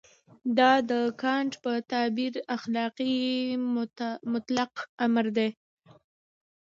دا د کانټ په تعبیر اخلاقي مطلق امر دی.